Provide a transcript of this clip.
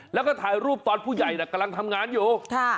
แล้วก็ถ่ายรูปตอนผู้ใหญ่กำลังทำงานอยู่